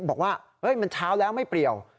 บอกว่ามันเช้าแล้วไม่เปรียว